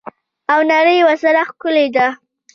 او نړۍ ورسره ښکلې ده.